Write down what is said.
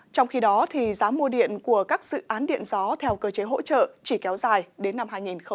trong khi đó giá mua điện của các dự án điện gió theo cơ chế hỗ trợ chỉ kéo dài đến năm hai nghìn hai mươi